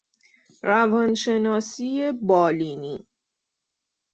روانشناس بالینی